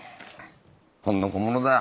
ほんの小物だ。